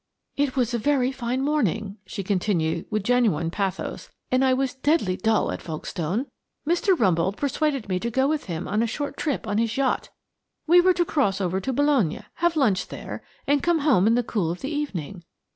"It was a very fine morning," she continued with gentle pathos, "and I was deadly dull at Folkestone. Mr. Rumboldt persuaded me to go with him on a short trip on his yacht. We were to cross over to Boulogne, have luncheon there, and come home in the cool of the evening."